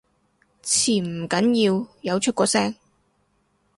潛唔緊要，有出過聲